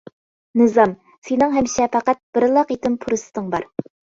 نىزام: سېنىڭ ھەمىشە پەقەت بىرلا قېتىم پۇرسىتىڭ بار.